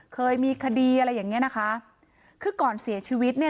เคยมีคดีอะไรอย่างเงี้ยนะคะคือก่อนเสียชีวิตเนี่ย